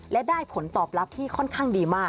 และได้ผลตอบรับที่ค่อนข้างดีมาก